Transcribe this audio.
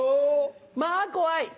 まぁ怖い。